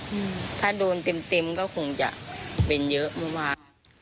อืมถ้าโดนเต็มเต็มก็คงจะเป็นเยอะมากมาก